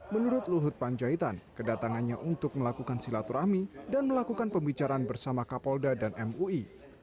menurut luhut panjaitan kedatangannya untuk melakukan silaturahmi dan melakukan pembicaraan bersama kapolda dan mui